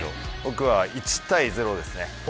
僕は１対０です。